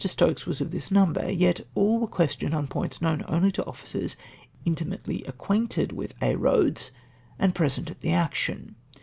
Stokes was of this number ; yet all were questioned on points known only to officers intimately acquainted with Aix Eoads, and present at the action.